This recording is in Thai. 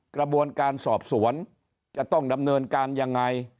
กระบวนการสอบสวนจะต้องดำเนินการยังไง